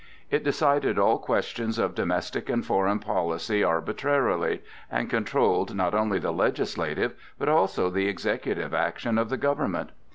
It decided all questions of domestic and foreign policy arbitrarily, and controlled not only the legislative, but also the executive action of the government.